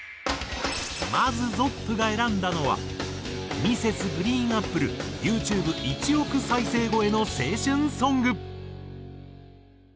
まずｚｏｐｐが選んだのはＭｒｓ．ＧＲＥＥＮＡＰＰＬＥＹｏｕＴｕｂｅ１億再生超えの青春ソング。